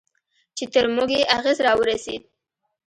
چې تر موږ یې اغېز راورسېد.